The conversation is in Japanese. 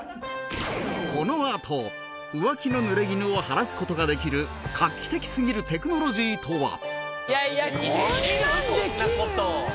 このあと浮気の濡れ衣を晴らす事ができる画期的すぎるテクノロジーとは？